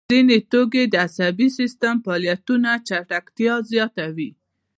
ځیني توکي د عصبي سیستم فعالیتونه چټکتیا زیاتوي.